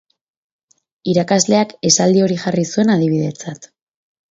Irakasleak esaldi hori jarri zuen adibidetzat.